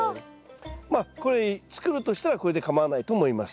まあこれ作るとしたらこれでかまわないと思います。